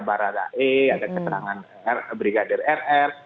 baradae ada keterangan brigadir rr